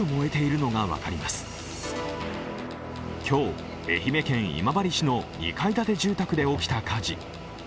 今日、愛媛県今治市の２階建て住宅で起きた火事。